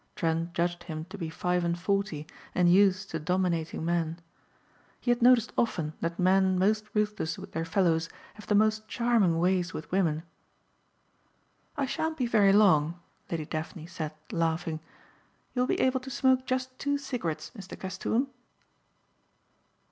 Trent judged him to be five and forty and used to dominating men. He had noticed often that men most ruthless with their fellows have the most charming ways with women. "I shan't be very long," Lady Daphne said laughing, "You will be able to smoke just two cigarettes, Mr. Castoon."